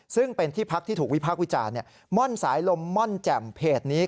ซึ่งเป็นที่พักที่ถูกวิพากษ์วิจารณ์ม่อนสายลมม่อนแจ่มเพจนี้